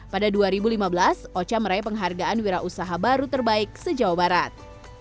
pada dua ribu lima belas oca meraih penghargaan wira usaha baru terbaik se jawa barat